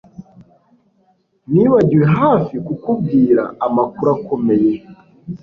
Nibagiwe hafi kukubwira amakuru akomeye